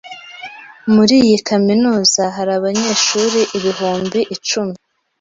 Muri iyi kaminuza hari abanyeshuri ibihumbi icumi.